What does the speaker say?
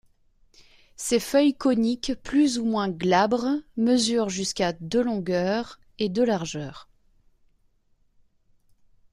Ses feuilles coniques plus ou moins glabres mesurent jusqu'à de longueur et de largeur.